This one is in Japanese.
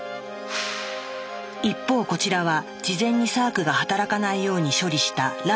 一方こちらは事前にサークが働かないように処理した卵の画像。